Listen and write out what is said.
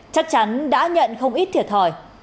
chắc chắn đã nhận không ít thiệt hỏi